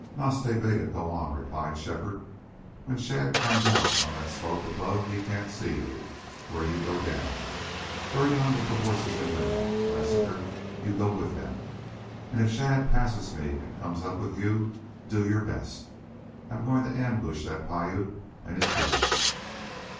"Nas Ta Bega, go on!" replied Shefford. "When Shadd comes out on that slope above he can't see you where you go down. Hurry on with the horses and women. Lassiter, you go with them. And if Shadd passes me and comes up with you do your best.... I'm going to ambush that Piute and his gang!"